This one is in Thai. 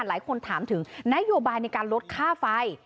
หลายคนถามถึงนโยบายในการลดค่าไฟ